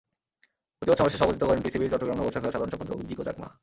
প্রতিবাদ সমাবেশে সভাপতিত্ব করেন পিসিপির চট্টগ্রাম নগর শাখার সাধারণ সম্পাদক জিকো চাকমা।